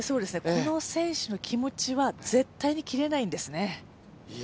この選手の気持は絶対に切れないんですね。